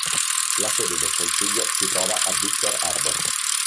La sede del consiglio si trova a Victor Harbor.